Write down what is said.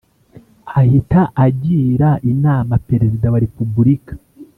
Ahita agira inama perezida wa repubulika